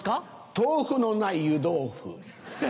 豆腐のない湯豆腐。